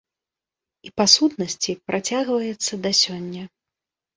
І, па сутнасці, працягваецца да сёння.